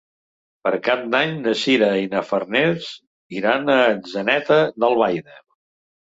Per Cap d'Any na Sira i na Farners iran a Atzeneta d'Albaida.